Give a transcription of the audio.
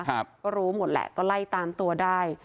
ครับก็รู้หมดแหละก็ไล่ตามตัวได้